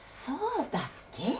そうだっけ？